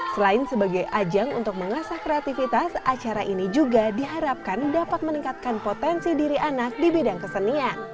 selain sebagai ajang untuk mengasah kreativitas acara ini juga diharapkan dapat meningkatkan potensi diri anak di bidang kesenian